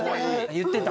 言ってた？